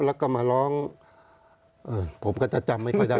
แล้วก็มาร้องเออผมก็จะจำไม่ค่อยได้